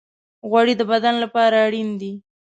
غوړې د بدن لپاره اړین دي.